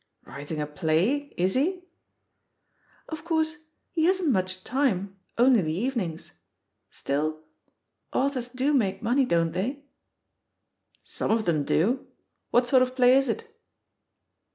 "Writing a play? Is he?" "Of course he hasn't much time, only the even ings. Still Authors do make money, don't they?" Some of them do. What sort of play is it?"